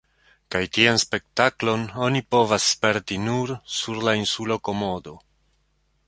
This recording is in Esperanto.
Kaj tian spektaklon oni povas sperti nur sur la insulo Komodo.